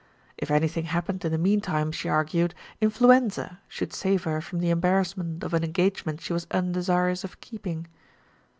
If anything happened in the meantime, she argued, influenza should save her from the embar rassment of an engagement she was undesirous of keeping.